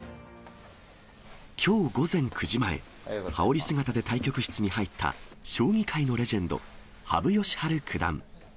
ル戦で対局するのは、今回が初めてで、きょう午前９時前、羽織姿で対局室に入った将棋界のレジェンド、羽生善治九段。